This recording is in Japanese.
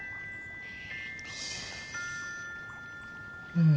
うん。